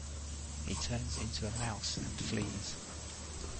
He turns into a mouse and flees.